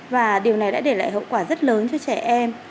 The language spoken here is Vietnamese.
và điều này đã để lại hậu quả rất lớn cho trẻ em